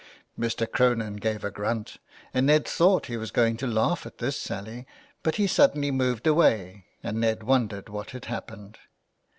'^ Mr. Cronin gave a grunt and Ned thought he was going to laugh at this sally, but he suddenly moved away and Ned wondered what had happened.